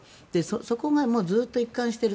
そこがずっと一貫している。